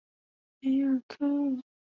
梅尔科厄。